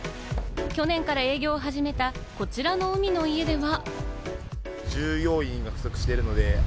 去年から営業を始めた、こちらの海の家では。